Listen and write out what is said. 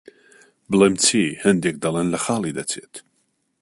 بڵێم چی، هەندێک دەڵێن لە خاڵی دەچێت.